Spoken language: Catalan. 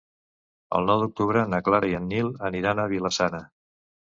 El nou d'octubre na Clara i en Nil aniran a Vila-sana.